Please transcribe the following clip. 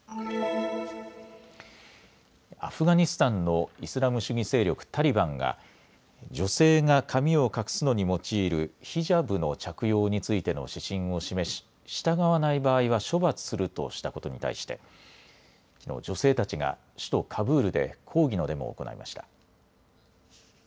アフガニスタンのイスラム主義勢力、タリバンが女性が髪を隠すのに用いるヒジャブの着用についての指針を示し従わない場合は処罰するとしたことに対してきのう女性たちが首都カブールで抗議のデモを行いました。